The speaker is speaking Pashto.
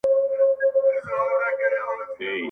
تور قسمت په تا آرام نه دی لیدلی!.